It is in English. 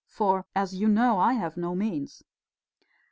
For, as you know, I have no means...."